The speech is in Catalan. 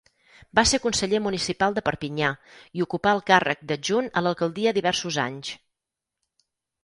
Va ser conseller municipal de Perpinyà, i ocupà el càrrec d'adjunt a l'alcaldia diversos anys.